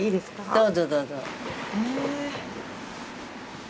どうぞどうぞ。